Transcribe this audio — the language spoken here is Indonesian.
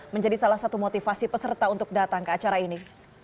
menjadi salah satu motivasi peserta untuk datang ke acara ini